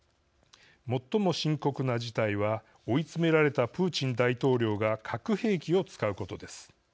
最も深刻な事態は追い詰められたプーチン大統領が核兵器を使うことです。